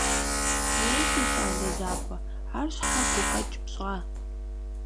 Уей, си щӀалэ закъуэ, ар щхьэ гукъэкӀ пщӀа?